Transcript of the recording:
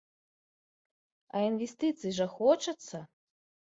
А інвестыцый жа хочацца!